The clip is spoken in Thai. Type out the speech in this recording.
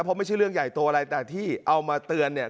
เพราะไม่ใช่เรื่องใหญ่โตอะไรแต่ที่เอามาเตือนเนี่ย